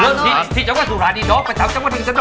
แล้วที่จำว่าสุราชดอกเป็นจำว่าที่จะดอกอะไร